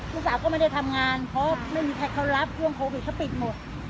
ลูกสาวก็ไม่ได้ทำงานเพราะไม่มีใครเขารับช่วงโควิดเขาปิดหมด